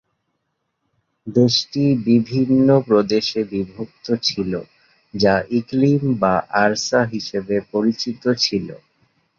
দেশটি বিভিন্ন প্রদেশে বিভক্ত ছিল, যা ইকলিম বা আরসাহ হিসেবে পরিচিত ছিল।